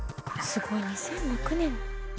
すごい２００６年。